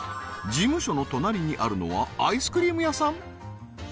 事務所の隣にあるのはアイスクリーム屋さん？